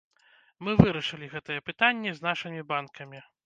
Мы вырашылі гэтыя пытанні з нашымі банкамі.